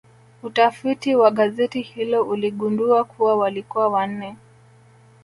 Utafiti wa gazeti hilo uligundua kuwa walikuwa wanne